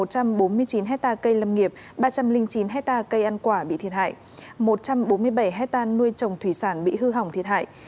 một một trăm bốn mươi chín ha cây lâm nghiệp ba trăm linh chín ha cây ăn quả bị thiệt hại một trăm bốn mươi bảy ha nuôi trồng thủy sản bị hư hỏng thiệt hại